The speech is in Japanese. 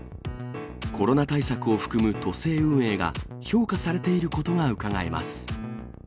コロナ対策を含む都政運営が評価されていることがうかがえます。